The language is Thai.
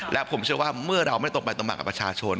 และผมเชื่อว่าเมื่อเราไม่ตรงไปตำหมากกับประชาชน